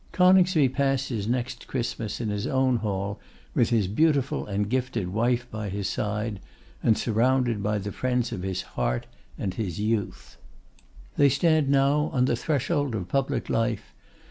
Coningsby passed his next Christmas in his own hall with his beautiful and gifted wife by his side, and surrounded by the friends of his heart and his youth. They stand now on the threshold of public life.